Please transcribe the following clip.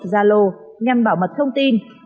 zalo nhằm bảo mật thông tin